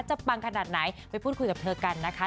ปังขนาดไหนไปพูดคุยกับเธอกันนะคะ